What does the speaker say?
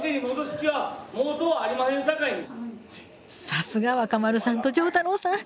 さすが若丸さんと城太郎さん。